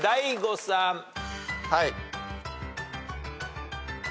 はい。